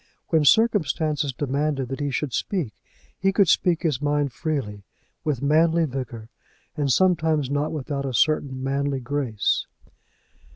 When circumstances demanded that he should speak he could speak his mind freely, with manly vigour, and sometimes not without a certain manly grace.